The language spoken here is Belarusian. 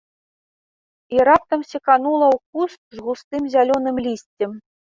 І раптам секанула ў куст з густым зялёным лісцем.